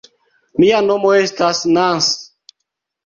Mia nomo estas Nans.